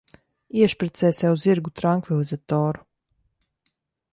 Iešpricē sev zirgu trankvilizatoru.